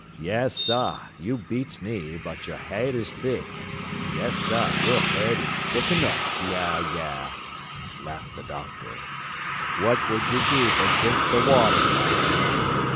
Yes, sah, you beats me, but yer haid is thick. Yes, sah, yer haid is thick ernuff, yah, yah," laughed the "doctor." "What would yer do but drink the water, white man?